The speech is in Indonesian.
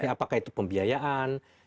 apakah itu pembiayaan